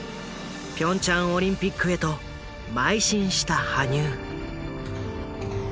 ピョンチャンオリンピックへと邁進した羽生。